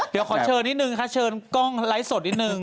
เดี๋ยวขอเชิญนิดนึงค่ะเชิญกล้องไลฟ์สดนิดนึง